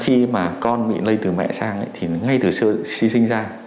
khi mà con bị lây từ mẹ sang thì ngay từ sơ sinh ra